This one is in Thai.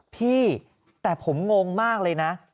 พี่แต่ผมงงมากเลยนะ